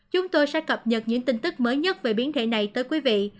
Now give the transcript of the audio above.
chúng tôi sẽ cập nhật những tin tức mới nhất về biến thể này tới quý vị